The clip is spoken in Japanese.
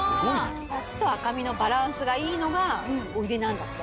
サシと赤身のバランスがいいのが売りなんだって。